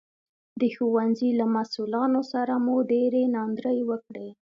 د ښوونځي له مسوولانو سره مو ډېرې ناندرۍ وکړې